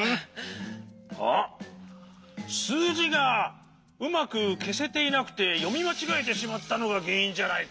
あっすうじがうまくけせていなくてよみまちがえてしまったのがげんいんじゃないか？